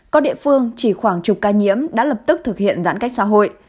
có địa phương chỉ khoảng chục ca nhiễm đã lập tức thực hiện giãn cách xã hội